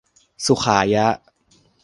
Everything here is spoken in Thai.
สุขายะ